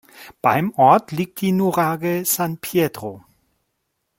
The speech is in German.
Beim Ort liegt die Nuraghe San Pietro.